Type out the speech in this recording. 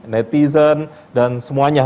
netizen dan semuanya